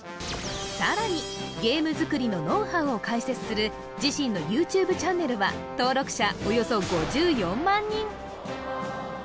さらにゲーム作りのノウハウを解説する自身のＹｏｕＴｕｂｅチャンネルは登録者